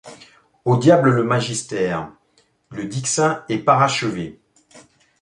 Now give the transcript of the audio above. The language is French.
Au diable le magister! le Dixain est parachevé.